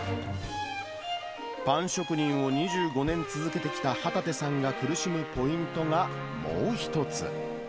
パン職人を２５年続けてきた旗手さんが苦しむポイントがもう１つ。